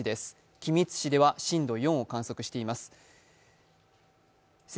君津市では震度５弱を観測しています。